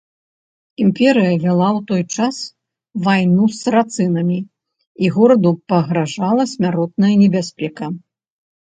Імперыя вяла ў той час вайну з сарацынамі, і гораду пагражала смяротная небяспека.